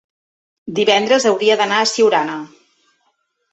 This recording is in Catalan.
divendres hauria d'anar a Siurana.